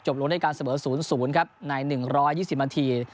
จบลงด้วยการเสบอสูญศูนย์ครับในหนึ่งร้อยยี่สิบมันที